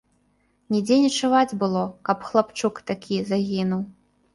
Нідзе не чуваць было, каб хлапчук такі загінуў.